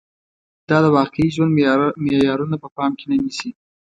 دا د واقعي ژوند معيارونه په پام کې نه نیسي